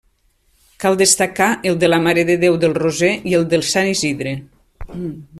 Cal destacar el de la Mare de Déu del Roser i el de Sant Isidre.